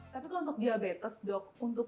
tapi kalau untuk diabetes dok untuk